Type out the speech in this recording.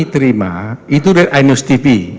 terima itu dari ainus tv